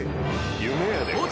夢やで。